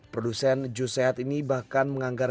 produsen jus sehat ini bahkan menganggar